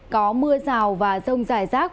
có mưa rào và rông dài rác